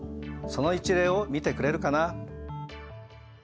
その一例を見てくれるかな。